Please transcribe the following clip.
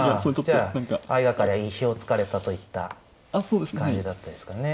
じゃあ相掛かりは意表をつかれたといった感じだったですかね。